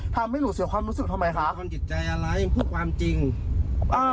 ทำให้หนูเสียความรู้สึกทำไมคะมันจิตใจอะไรพูดความจริงอ่า